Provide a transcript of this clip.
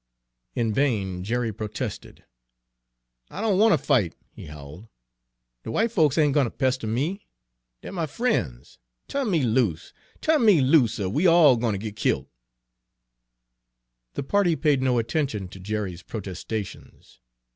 In vain Jerry protested. "I don' wan' ter fight," he howled. "De w'ite folks ain' gwine ter pester me; dey're my frien's. Tu'n me loose, tu'n me loose, er we all gwine ter git killed!" The party paid no attention to Jerry's protestations.